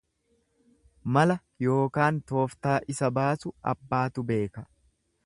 Mala yookaan tooftaa isa baasu abbaatu beeka.